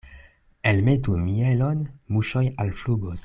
Elmetu mielon, muŝoj alflugos.